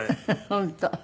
本当。